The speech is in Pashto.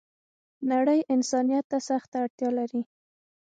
نړۍ انسانيت ته سخته اړتیا لری